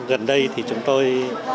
gần đây thì chúng tôi